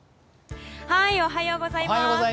おはようございます。